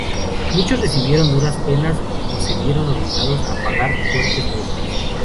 Muchos recibieron duras penas, o se vieron obligados a pagar fuertes multas.